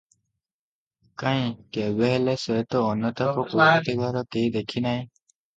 କାହିଁ, କେବେହେଲେ ସେ ତ ଅନୁତାପ କରୁଥିବାର କେହି ଦେଖିନାହିଁ?